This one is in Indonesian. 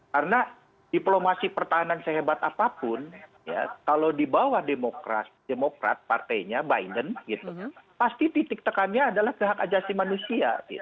karena diplomasi pertahanan sehebat apapun kalau dibawah demokrasi demokrat partainya biden pasti titik tekannya adalah ke hak ajasi manusia